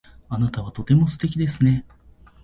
あなたはとても素敵ですね。